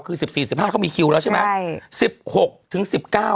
คือ๑๔๑๕เขามีคิวแล้วใช่ไหม